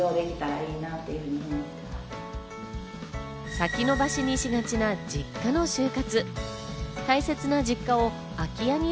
先延ばしにしがちな実家の終活。